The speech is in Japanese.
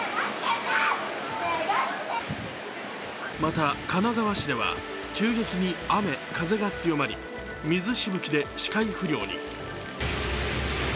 また、金沢市では、急激に雨風が強まり水しぶきで視界不良に。